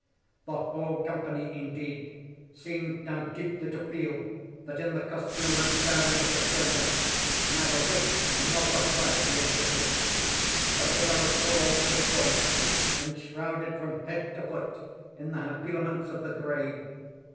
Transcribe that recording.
The whole company, indeed, seemed now deeply to feel that in the costume and bearing of the stranger neither wit nor propriety existed. The figure was tall and gaunt, and shrouded from head to foot in the habiliments of the grave.